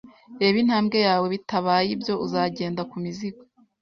Reba intambwe yawe, bitabaye ibyo uzagenda ku mizigo.